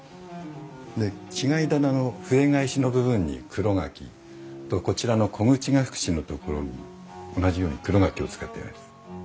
で違い棚の筆返しの部分に黒柿とこちらの小口隠しの所に同じように黒柿を使っております。